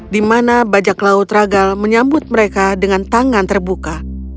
di mana bajak laut ragal menyambut mereka dengan tangan terbuka